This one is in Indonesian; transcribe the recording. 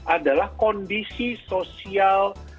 adalah kondisi sosial